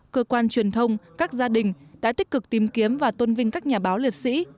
cơ quan truyền thông các gia đình đã tích cực tìm kiếm và tôn vinh các nhà báo liệt sĩ